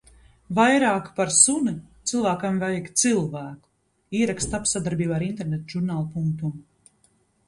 Vairāk par suni cilvēkam vajag cilvēku. Ieraksts tapis sadarbībā ar interneta žurnālu Punctum